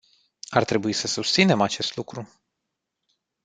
Ar trebui să susținem acest lucru.